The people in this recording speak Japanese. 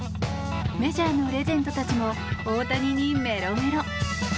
メジャーのレジェンドたちも大谷にメロメロ。